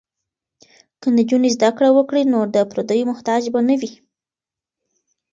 که نجونې زده کړې وکړي نو د پردیو محتاج به نه وي.